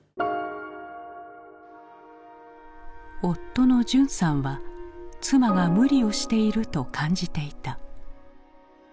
夫の淳さんは妻が無理をしていると感じていた。